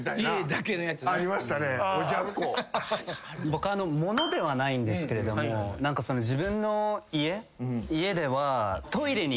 僕物ではないんですけれども自分の家では。